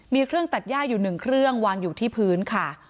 มีเครื่องตัดย่าอยู่๑เครื่องวางอยู่ที่พื้นค่ะ